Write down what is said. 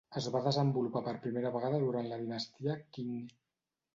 Es va desenvolupar per primera vegada durant la dinastia Qing.